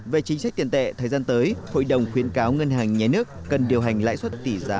về chính sách tiền tệ thời gian tới hội đồng khuyến cáo ngân hàng nhé nước cần điều hành lãi suất tỷ giá